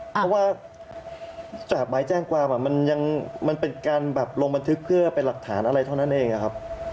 เพราะว่าจากใบแจ้งความมันยังมันเป็นการแบบลงบันทึกเพื่อเป็นหลักฐานอะไรเท่านั้นเองครับ